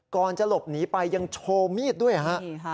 ก่อนจะหลบหนีไปยังโชว์มีดด้วยฮะ